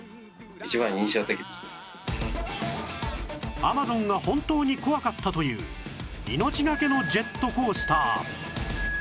アマゾンが本当に怖かったという命がけのジェットコースター